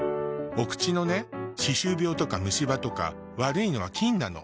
お口のね歯周病とか虫歯とか悪いのは菌なの。